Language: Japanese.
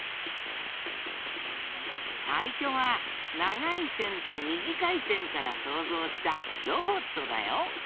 さいしょはながいせんとみじかいせんからそうぞうしたロボットだよ。